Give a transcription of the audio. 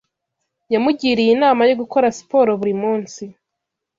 Yamugiriye inama yo gukora siporo buri munsi.